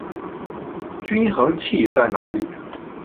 均衡器在哪里？